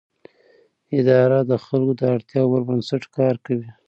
اداره د خلکو د اړتیاوو پر بنسټ کار کوي.